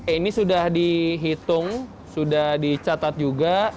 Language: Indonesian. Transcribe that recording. ini sudah dihitung sudah dicatat juga